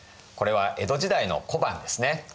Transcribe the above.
これは江戸時代の小判ですね。